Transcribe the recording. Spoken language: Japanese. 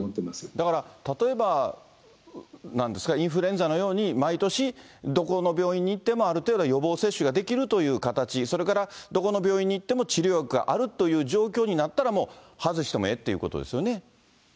だから、例えばなんですか、インフルエンザのように毎年どこの病院に行っても、ある程度は予防接種ができるという形、それからどこの病院に行っても治療薬があるという状況になったら、もう外してもええっていうことですよね？